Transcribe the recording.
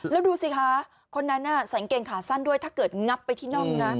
แล้วดูสิคะคนนั้นใส่กางเกงขาสั้นด้วยถ้าเกิดงับไปที่น่องนะ